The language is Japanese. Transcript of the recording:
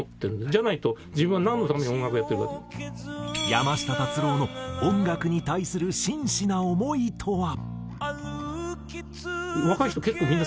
山下達郎の音楽に対する真摯な思いとは？